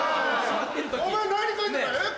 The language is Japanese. お前何書いてんだえっ？